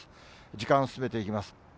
時間進めていきます。